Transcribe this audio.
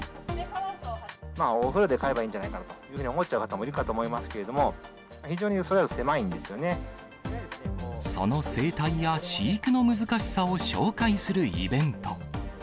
お風呂で飼えばいいんじゃないかと思っちゃう方もいるかもしれませんけれども、その生態は飼育の難しさを紹介するイベント。